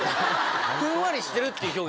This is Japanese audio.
ふんわりしてるっていう表現。